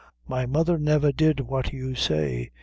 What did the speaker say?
"My mother never did what you say.